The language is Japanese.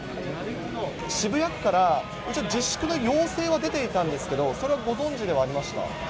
渋谷区から一応、自粛の要請は出ていたんですけど、それはご存じではありました？